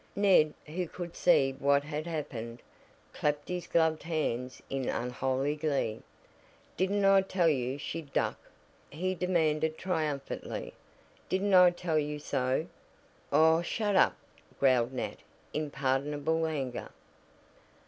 Ned, who could see what had happened, clapped his gloved hands in unholy glee. "Didn't I tell you she'd duck?" he demanded triumphantly. "Didn't I tell you so?" "Aw shut up!" growled Nat in pardonable anger.